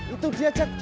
itu dia cak